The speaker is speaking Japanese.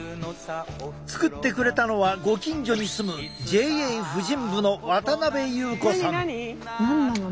作ってくれたのはご近所に住むＪＡ婦人部の渡部優子さん。